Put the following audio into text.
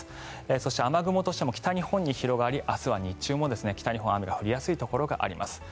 そして雨雲としても北日本に広がり明日は日中も北日本雨が降りやすいところがあります。